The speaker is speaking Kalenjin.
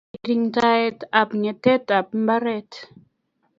Kirindaet ab ng'et ab mbaret